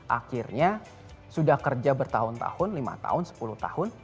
akhirnya sudah kerja bertahun tahun lima tahun sepuluh tahun